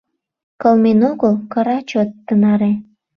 Кылмен огыл — кыра чот тынаре